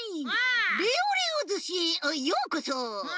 レオレオずしへあっようこそ！